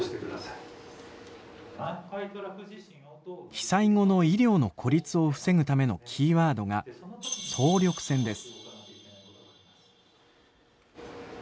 被災後の医療の孤立を防ぐためのキーワードが総力戦です。